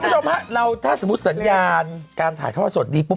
คุณผู้ชมฮะเราถ้าสมมุติสัญญาการถ่ายทอดสดดีปุ๊